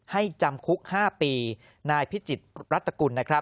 ให้จำคุก๕ปีนายพิจิตภ์รัตกุล